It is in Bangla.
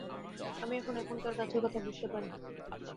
আমি এখন এখানকার গাছের কথা বুঝতে পারি।